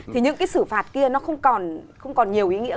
thì những cái xử phạt kia nó không còn nhiều ý nghĩa